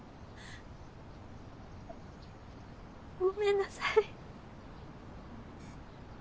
ごめんなさい。